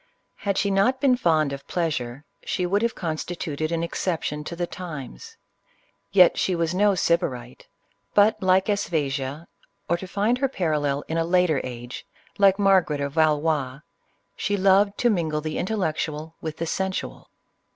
Had she not been fond of pleasure, she would have constituted an exception to the times. Yet she was no Sybarite ; but, like Aspasia, — or, to find her par allel in a later age, like Margaret of Valois, — she loved to mingle the intellectual with the sensual.